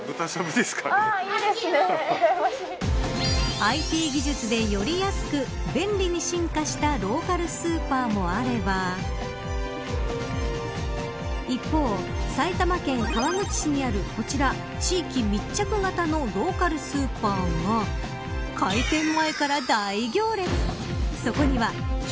ＩＴ技術でより安く、便利に進化したローカルスーパーもあれば埼玉県、川口市にある地域密着型の人気ローカルスーパーカネモ。